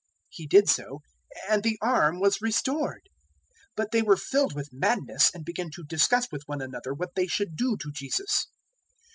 He did so, and the arm was restored. 006:011 But they were filled with madness, and began to discuss with one another what they should do to Jesus.